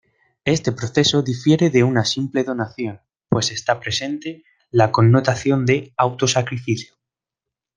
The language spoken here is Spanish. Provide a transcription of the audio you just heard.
Este proceso difiere de una simple donación, pues está presente la connotación de autosacrificio.